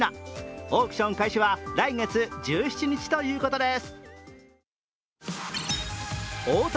オークション開始は来月１７日ということです。